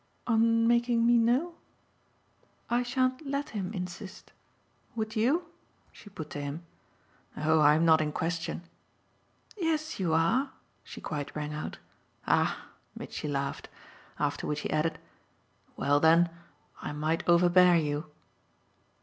"On making me know? I shan't let him insist. Would YOU?" she put to him. "Oh I'm not in question!" "Yes, you are!" she quite rang out. "Ah !" Mitchy laughed. After which he added: "Well then, I might overbear you."